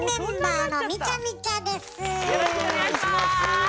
よろしくお願いします！